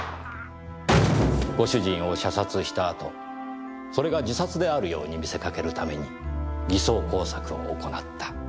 ご主人を射殺した後それが自殺であるように見せかけるために偽装工作を行った。